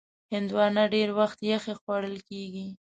هندوانه ډېر وخت یخې خوړل کېږي.